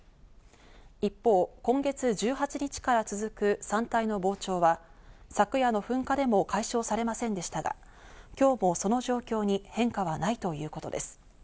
一方、今月１８日から続く山体の膨張は昨夜の噴火でも解消されませんでしたが、今日もその状況に変化はないということです。